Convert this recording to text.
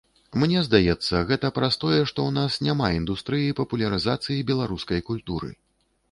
Мне здаецца, гэта праз тое, што ў нас няма індустрыі папулярызацыі беларускай культуры.